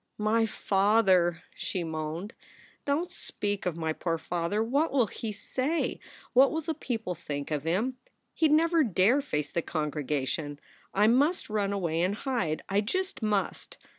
"My father!" she moaned. "Don t speak of my poor father. What will he say? What will the people think of him? He d never dare face the congregation. I must run away and hide. I just must.